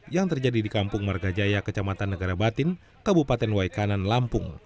yang terjadi di kampung marga jaya kecamatan negara batin kabupaten waikanan lampung